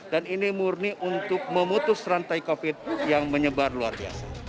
dan ini murni untuk memutus rantai covid yang menyebar luar biasa